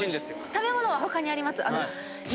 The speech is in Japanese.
食べ物は他にあります。